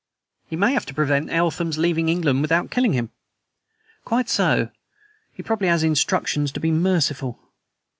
"He may have to prevent Eltham's leaving England without killing him." "Quite so. He probably has instructions to be merciful.